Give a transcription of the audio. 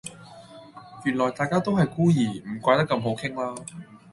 原來大家都係孤兒，唔怪得咁好傾啦